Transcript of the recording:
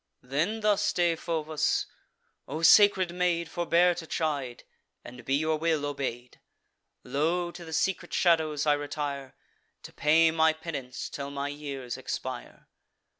Then thus Deiphobus: "O sacred maid, Forbear to chide, and be your will obey'd! Lo! to the secret shadows I retire, To pay my penance till my years expire.